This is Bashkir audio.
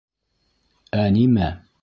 Ә нимә?